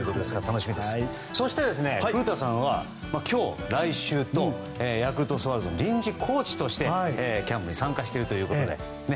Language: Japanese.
そして、古田さんは今日、来週とヤクルトスワローズの臨時コーチとしてキャンプに参加しているということで。